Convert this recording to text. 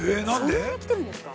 ◆そんなに来てるんですか。